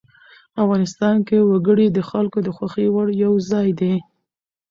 افغانستان کې وګړي د خلکو د خوښې وړ یو ځای دی.